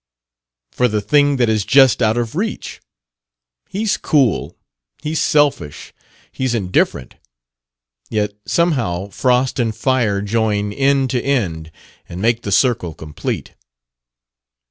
For the thing that is just out of reach. He's cool; he's selfish; he's indifferent. Yet, somehow, frost and fire join end to end and make the circle complete."